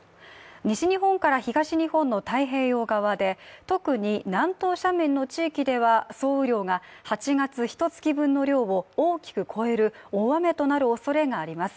西日本から東日本の太平洋側で特に南東斜面の地域では総雨量が８月ひとつき分の量を大きく超える大雨となるおそれがあります。